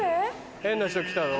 変な人来たぞ。